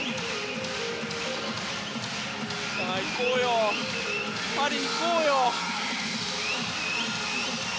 さあ、行こうよパリ、行こうよ！